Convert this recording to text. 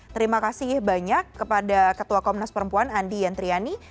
terima kasih banyak kepada ketua komnas perempuan andi yantriani